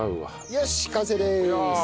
よし完成です！